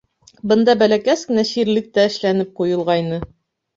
Бында бәләкәс кенә ширлек тә эшләнеп ҡуйылғайны.